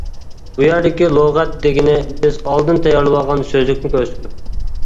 بۇ يەردىكى لۇغەت دېگىنى بىز ئالدىن تەييارلىۋالغان سۆزلۈكنى كۆرسىتىدۇ.